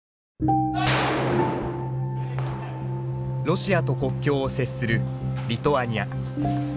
ロシアと国境を接するリトアニア。